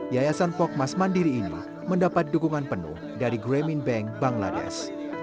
yayasan pok mas mandiri ini mendapat dukungan penuh dari grameen bank bangladesh